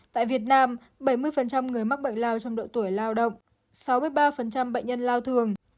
tại việt nam bảy mươi người mắc bệnh lao trong độ tuổi lao động sáu mươi ba bệnh nhân lao thường